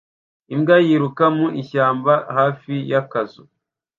Imbwa yiruka mu ishyamba hafi y'akazu